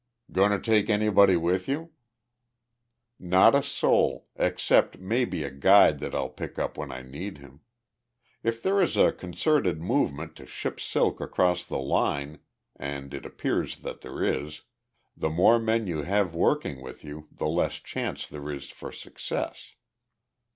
"Going to take anybody with you?" "Not a soul, except maybe a guide that I'll pick up when I need him. If there is a concerted movement to ship silk across the line and it appears that there is the more men you have working with you the less chance there is for success.